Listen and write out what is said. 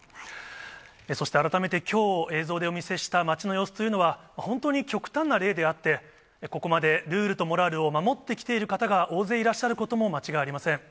そして改めてきょう、映像でお見せした街の様子というのは、本当に極端な例であって、ここまでルールとモラルを守ってきている方が大勢いらっしゃることも間違いありません。